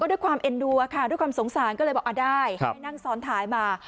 ด้วยความเอ็นดูค่ะด้วยความสงสารก็เลยบอกได้ให้นั่งซ้อนท้ายมา